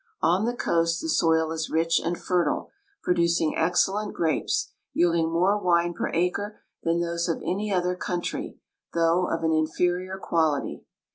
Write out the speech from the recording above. On the coast the soil is rich and fertile, producing excellent grapes, yielding more wine per acre than those of any other country, though of an inferior quality.